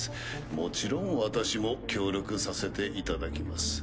もちろん私も協力させていただきます